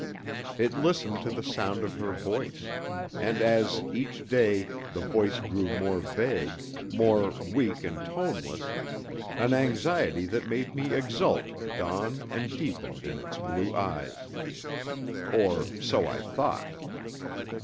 It listened to the sound of her voice; and as, each day, the voice grew more vague, more weak and toneless, an anxiety that made me exult dawned and deepened in its blue eyes. Or so I thought.